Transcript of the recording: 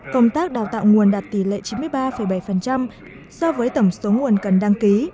công tác đào tạo nguồn đạt tỷ lệ chín mươi ba bảy so với tổng số nguồn cần đăng ký